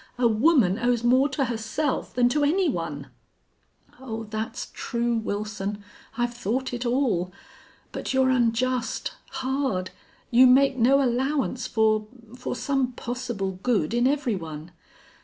A woman owes more to herself than to any one." "Oh, that's true, Wilson. I've thought it all.... But you're unjust hard. You make no allowance for for some possible good in every one.